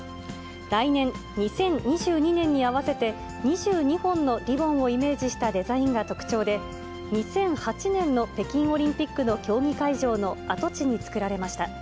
来年・２０２２年に合わせて、２２本のリボンをイメージしたデザインが特徴で、２００８年の北京オリンピックの競技会場の跡地に造られました。